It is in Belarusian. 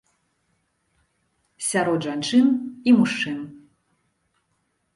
Сярод жанчын і мужчын.